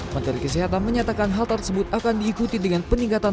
menteri kesehatan menyatakan hal tersebut akan diikuti dengan peningkatan